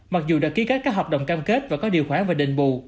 mặc dù đã ký kết các hợp đồng cam kết và có điều khoản về định bù